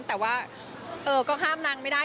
แต่ว่าก็ห้ามนางไม่ได้